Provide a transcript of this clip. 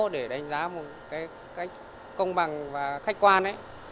để đánh giá một cách công bằng và khách quan